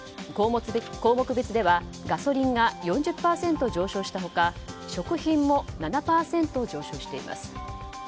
項目別ではガソリンが４０％上昇した他食品も７％上昇しています。